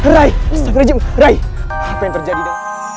rai apa yang terjadi dengan dirimu